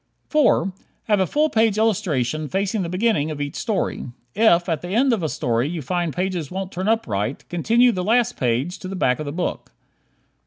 4. Have a full page illustration facing the beginning of each story. If at the end of a story you find pages won't turn up right, continue the last page to the back of the book.